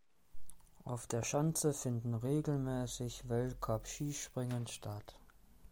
Auf der Schanze finden regelmäßig Weltcup-Skispringen statt.